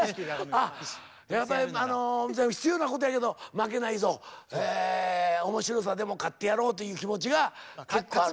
やっぱり必要なことやけど負けないぞ面白さでも勝ってやろうという気持ちが結構ある？